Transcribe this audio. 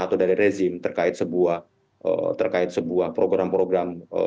atau dari rezim terkait sebuah terkait sebuah program program